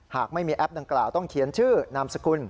หากไม่มีแอปดังกล่าวต้องเขียนชื่อนามสกุล